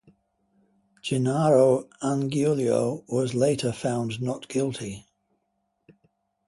Gennaro Angiulo was later found not guilty.